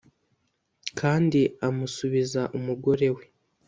Kandi amusubiza umugore we